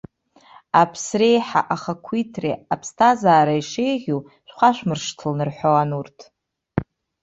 Аԥсра аиҳа ахақәиҭреи аԥсҭазаареи шеиӷьу шәхашәмыршҭлан, рҳәауан урҭ.